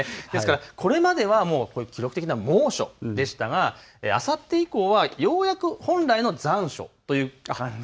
これまでは記録的な猛暑でしたがあさって以降はようやく本来の残暑という感じ。